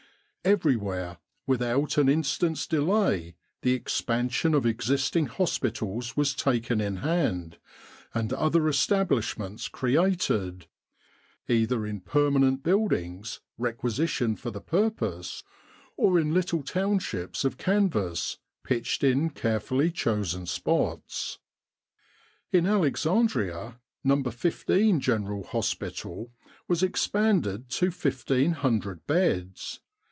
Everywhere, without an instant's delay, the expansion of existing hospitals was taken in hand, and other establishments created, either in permanent buildings requisitioned for the purpose, or in little townships of canvas pitched in carefully chosen spots. In Alex andria, No. 15 General Hospital was expanded to 1,500 beds.